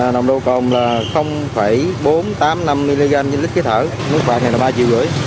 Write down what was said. nồng nộ cồn là bốn trăm tám mươi năm mg lít khí thở nó khoảng ba triệu rưỡi